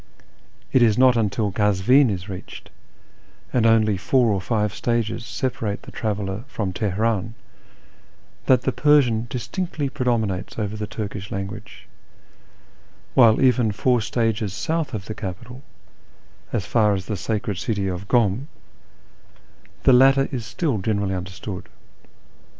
It is not till Kazvin is reached, and only four or five stages separate the traveller from Teheran, that the Persian distinctly predominates over the Turkish language ; while even four stages south of the capital, as far as the sacred city of Kum, the latter is still generally imderstood.